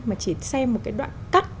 mà chỉ xem một cái đoạn cắt